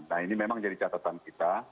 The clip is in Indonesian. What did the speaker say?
nah ini memang jadi catatan kita